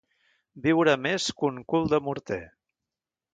Viure més que un cul de morter.